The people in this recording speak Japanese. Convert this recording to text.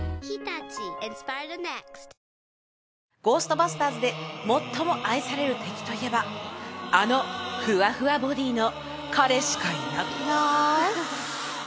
「ゴーストバスターズ」で最も愛される敵といえばあのふわふわボディーの彼しかいなくない？